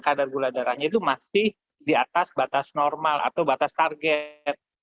kadar gula darahnya itu masih di atas batas normal atau batas target